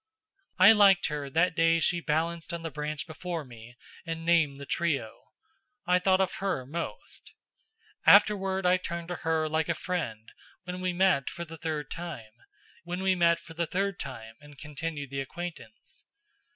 I liked her that day she balanced on the branch before me and named the trio. I thought of her most. Afterward I turned to her like a friend when we met for the third time, and continued the acquaintance.